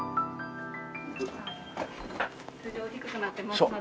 頭上低くなってますので。